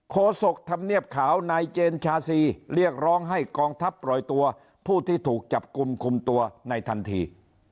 โศกธรรมเนียบขาวนายเจนชาซีเรียกร้องให้กองทัพปล่อยตัวผู้ที่ถูกจับกลุ่มคุมตัวในทันที